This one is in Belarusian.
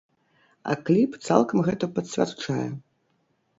А кліп цалкам гэта пацвярджае.